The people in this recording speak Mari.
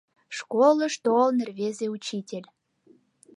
ШКОЛЫШ ТОЛЫН РВЕЗЕ УЧИТЕЛЬ